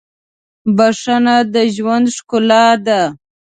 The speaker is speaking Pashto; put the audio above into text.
• بښنه د ژوند ښکلا ده.